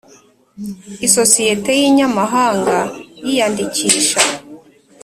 Isosiyete y inyamahanga yiyandikisha